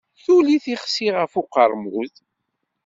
Tuli tixsi ɣef uqermud.